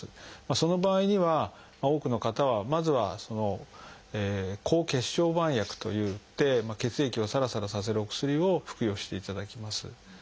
その場合には多くの方はまずは抗血小板薬といって血液をサラサラさせるお薬を服用していただきます。